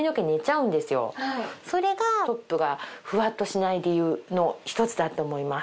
それがトップがふわっとしない理由の一つだと思います。